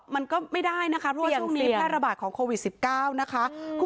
มันก็ไม่ได้นะคะเพราะว่าช่วงนี้แพร่ระบาดของโควิด๑๙นะคะ